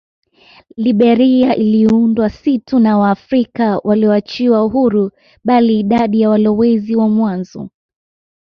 Liberia iliundwa si tu na Waafrika walioachiwa huru bali idadi ya walowezi wa mwanzo